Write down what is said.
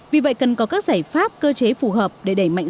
vì vậy cần có các giải pháp cơ chế phù hợp để đẩy mạnh